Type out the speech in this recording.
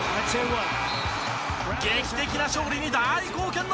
劇的な勝利に大貢献の渡邊。